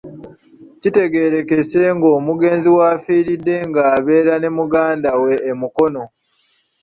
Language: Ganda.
Kitegeerekese ng'omugenzi w'afiiridde ng'abeera ne muganda we e Mukono.